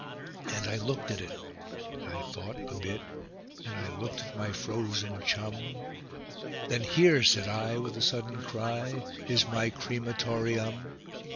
And I looked at it, and I thought a bit, and I looked at my frozen chum; Then "Here", said I, with a sudden cry, "is my cre ma tor eum."